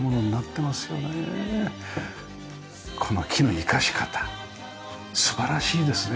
この木の生かし方素晴らしいですね。